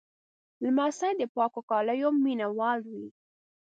لمسی د پاکو کالیو مینهوال وي.